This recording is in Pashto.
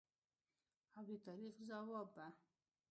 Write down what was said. او د تاریخ ځواب به